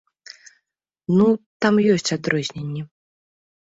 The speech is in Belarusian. Ну, там ёсць адрозненні.